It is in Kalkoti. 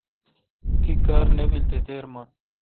تی کار نہ بیل تو دیرہ من